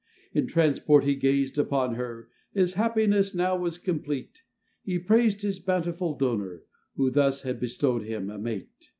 In transport he gazèd upon her, His happiness now was complete! He praisèd his bountiful donor, Who thus had bestowed him a mate.